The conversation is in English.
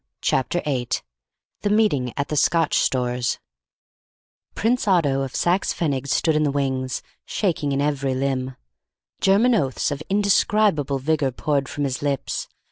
Chapter 8 THE MEETING AT THE SCOTCH STORES Prince Otto of Saxe Pfennig stood in the wings, shaking in every limb. German oaths of indescribable vigour poured from his lips.